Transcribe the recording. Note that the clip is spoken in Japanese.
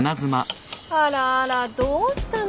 あらあらどうしたの？